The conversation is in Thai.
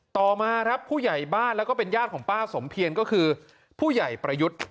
ต่อมาครับผู้ใหญ่บ้านแล้วก็เป็นญาติของป้าสมเพียรก็คือผู้ใหญ่ประยุทธ์